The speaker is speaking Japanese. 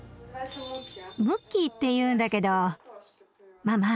ムッキーっていうんだけどママ